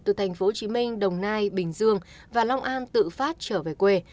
từ thành phố hồ chí minh đồng nai bình dương và long an tự phát trở về quê